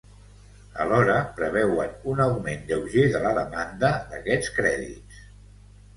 Alhora, preveuen un augment lleuger de la demanda d’aquests crèdits.